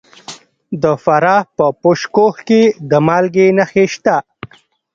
د فراه په پشت کوه کې د مالګې نښې شته.